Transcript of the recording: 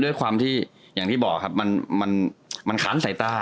ด้วยความที่บอกครับมันทำให้เค้าข้างใส่ตา